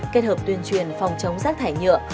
kết hợp tuyên truyền phòng chống rác thải nhựa